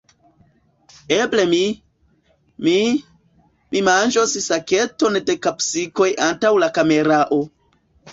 Eble mi, mi... mi manĝos saketon da kapsikoj antaŭ la kamerao.